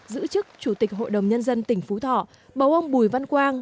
giữ chức chủ tịch hội đồng nhân dân tỉnh phú thọ bầu ông bùi văn quang